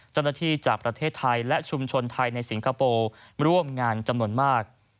จากประเทศไทยและชุมชนไทยในสิงคโปร์ร่วมงานจำนวนมาก